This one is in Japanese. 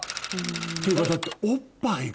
っていうかだっておっぱいが。